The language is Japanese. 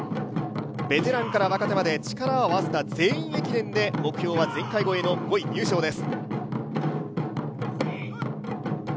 ベテランから若手まで力を合わせた全員駅伝で目標は前回超えの５位入賞です。